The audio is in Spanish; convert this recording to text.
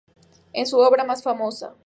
Es su obra más famosa.